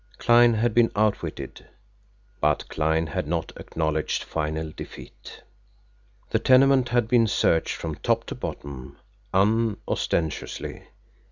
Kline had been outwitted, but Kline had not acknowledged final defeat. The tenement had been searched from top to bottom unostentatiously.